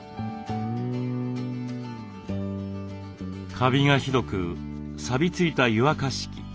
カビがひどくさびついた湯沸かし器。